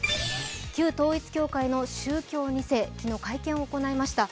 旧統一教会の宗教２世昨日、会見を行いました。